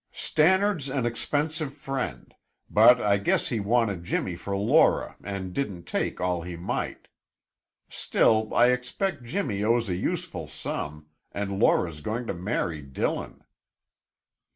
"Stannard's an expensive friend; but I guess he wanted Jimmy for Laura and didn't take all he might. Still I expect Jimmy owes a useful sum, and Laura's going to marry Dillon."